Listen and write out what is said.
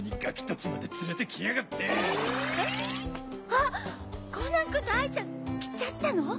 あっコナン君と哀ちゃん来ちゃったの？